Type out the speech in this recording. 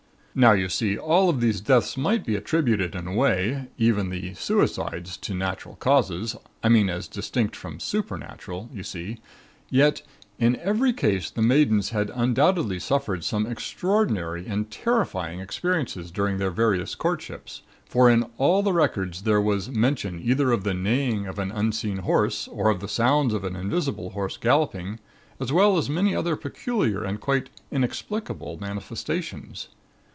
Now, you see, all of these deaths might be attributed in a way even the suicides to natural causes, I mean as distinct from supernatural. You see? Yet, in every case the maidens had undoubtedly suffered some extraordinary and terrifying experiences during their various courtships for in all of the records there was mention either of the neighing of an unseen horse or of the sounds of an invisible horse galloping, as well as many other peculiar and quite inexplicable manifestations.